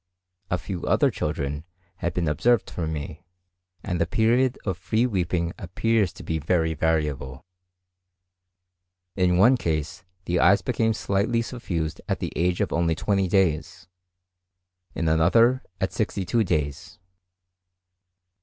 A few other children have been observed for me, and the period of free weeping appears to be very variable. In one case, the eyes became slightly suffused at the age of only 20 days; in another, at 62 days.